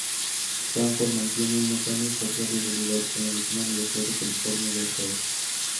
Stanford mantiene una sana y cordial rivalidad con la vecina Universidad de California, Berkeley.